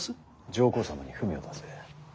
上皇様に文を出せ。